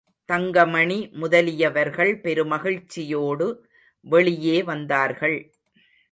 தங்கமணி முதலியவர்கள் பெருமகிழ்ச்சியோடு வெளியே வந்தார்கள்.